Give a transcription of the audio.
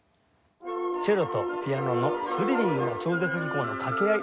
チェロとピアノのスリリングな超絶技巧の掛け合い